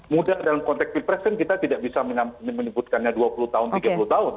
mudah dalam konteks pilpres kan kita tidak bisa menyebutkannya dua puluh tahun tiga puluh tahun